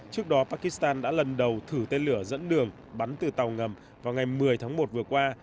trước đó pakistan đã lần đầu thử tên lửa dẫn đường bắn từ tàu ngầm vào ngày một mươi tháng một vừa qua